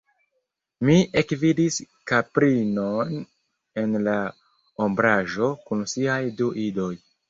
Mi ekvidis kaprinon en la ombraĵo kun siaj du idoj.